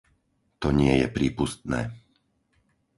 To nie je prípustné.